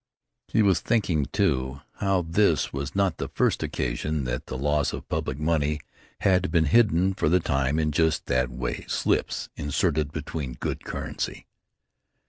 He was thinking, too, how this was not the first occasion that the loss of public money had been hidden for the time in just that way slips inserted between good currency.